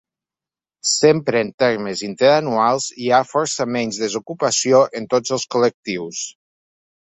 Sempre en termes interanuals, hi ha força menys desocupació en tots els col·lectius.